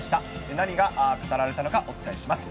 何が語られたのか、お伝えします。